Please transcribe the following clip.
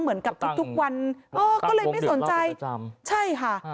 เหมือนกับทุกวันก็เลยไม่สนใจใช่ค่ะ